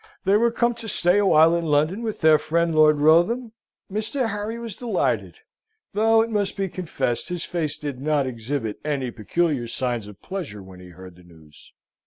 They were come to stay a while in London with their friend, Lord Wrotham? Mr. Harry was delighted though it must be confessed his face did not exhibit any peculiar signs of pleasure when he heard the news.